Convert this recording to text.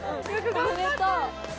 おめでとう。